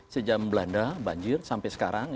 sejak zaman belanda banjir sampai sekarang